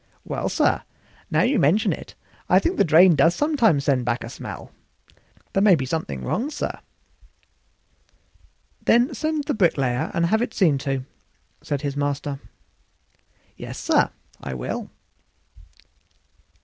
"Well, sir, now you mention it, I think the drain does sometimes send back a smell; there may be something wrong, sir." "Then send for the bricklayer and have it seen to," said his master. "Yes, sir, I will."